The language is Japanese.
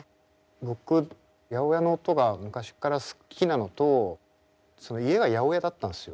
僕８０８の音が昔から好きなのと家が八百屋だったんすよ。